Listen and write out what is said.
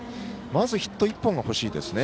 まず、ヒット１本が欲しいですね。